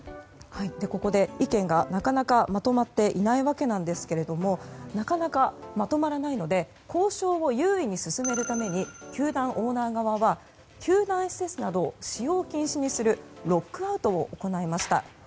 ここで意見がなかなかまとまっていないわけなんですけれどなかなかまとまらないので交渉を優位に進めるために球団オーナー側は球団施設などを使用禁止にするロックアウトを行いました。